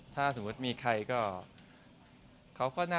ถึงจะลงตัวกัน